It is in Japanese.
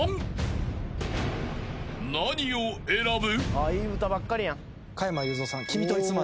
［何を選ぶ？］